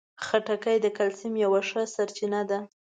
خټکی د کلسیم یوه ښه سرچینه ده.